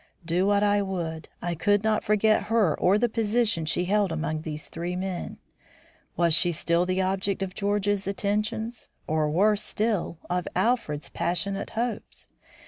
Do what I would, I could not forget her or the position she held among these three men. Was she still the object of George's attentions or worse still of Alfred's passionate hopes?